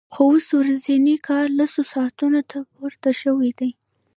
خو اوس ورځنی کار لسو ساعتونو ته پورته شوی دی